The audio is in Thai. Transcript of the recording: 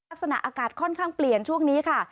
ลักษณะอากาศค่อนข้างเปลี่ยนช่วงนี้ค่ะ